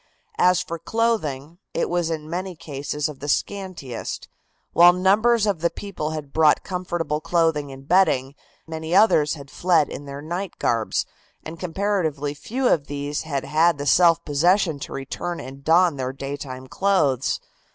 As for clothing, it was in many cases of the scantiest, while numbers of the people had brought comfortable clothing and bedding. Many others had fled in their night garbs, and comparatively few of these had had the self possession to return and don their daytime clothes.